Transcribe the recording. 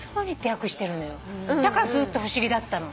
だからずっと不思議だったの。